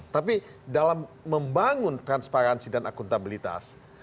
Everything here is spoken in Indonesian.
tapi dalam membangun transparansi dan akuntabilitas